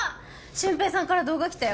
俊平さんから動画来たよ